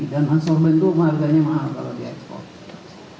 dan adsorben itu harganya mahal kalau diadsorben